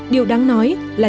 điều đáng nói là